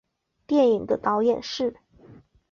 电影的导演是。